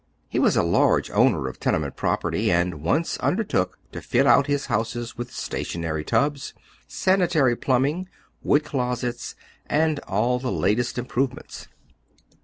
He was a large owner of tenement property, and once undertook to fit out his houses with stationary tubs, sanitary plumbing, wood closete, and all the latest improvements.